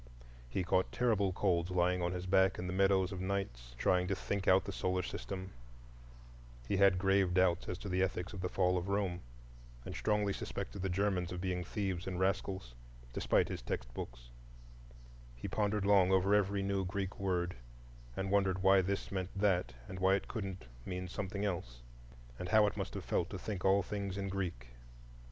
He caught terrible colds lying on his back in the meadows of nights, trying to think out the solar system; he had grave doubts as to the ethics of the Fall of Rome, and strongly suspected the Germans of being thieves and rascals, despite his textbooks; he pondered long over every new Greek word, and wondered why this meant that and why it couldn't mean something else, and how it must have felt to think all things in Greek.